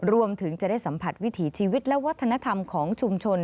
รวมถึงจะได้สัมผัสวิถีชีวิตและวัฒนธรรมของชุมชน